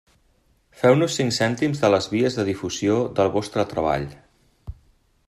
Feu-nos cinc cèntims de les vies de difusió del vostre treball.